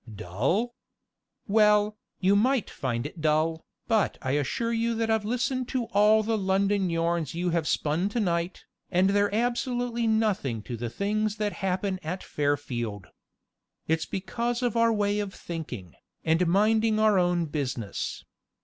Dull? Well, you might find it dull, but I assure you that I've listened to all the London yarns you have spun to night, and they're absolutely nothing to the things that happen at Fairfield. It's because of our way of thinking, and minding our own business.